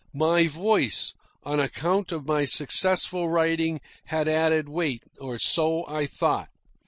My voice, on account of my successful writing, had added weight, or so I thought.